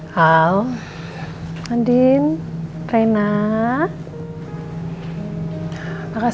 satu dua tiga empat tujuh